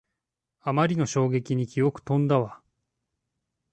あまりの衝撃に記憶とんだわ